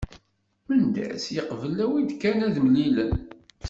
Mendas yeqbel awi-d kan ad mlilen.